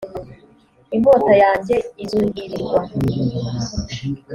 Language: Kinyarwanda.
inkota yanjye izuhirirwa